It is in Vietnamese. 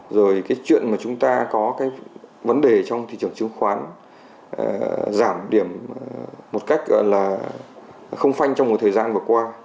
rồi cái chuyện mà chúng ta có cái vấn đề trong thị trường chứng khoán giảm điểm một cách là không phanh trong một thời gian vừa qua